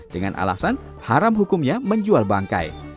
dengan alasan haram hukumnya menjual bangkai